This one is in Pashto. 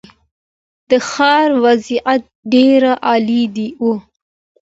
د ښار وضعیت ډېر عالي و.